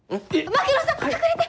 槙野さん隠れて！